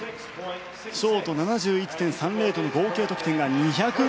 ショート７１．３０との合計得点が２０６．６６。